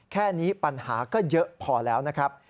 แค่นี้ปัญหาก็เยอะพอแล้วนะครับ